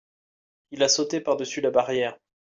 il a sauté par-dessus la barrière.